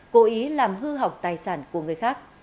cố ý làm hư hỏng tài sản của người khác